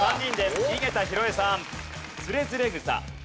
井桁弘恵さん。